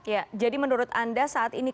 ya jadi menurut anda saat ini